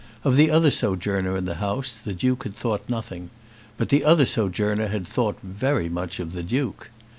Of the other sojourner in his house the Duke had thought nothing; but the other sojourner had thought very much of the Duke.